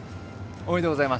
おめでとうございます。